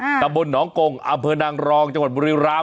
ตำบลหนองกงอำเภอนางรองจังหวัดบุรีราม